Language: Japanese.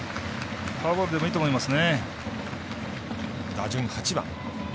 フォアボールでもいいと思います。